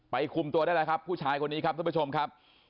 คุมตัวได้แล้วครับผู้ชายคนนี้ครับท่านผู้ชมครับ